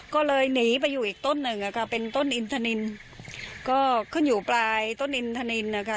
ก็เลยหนีไปอยู่อีกต้นหนึ่งอะค่ะเป็นต้นอินทนินก็ขึ้นอยู่ปลายต้นอินทนินนะคะ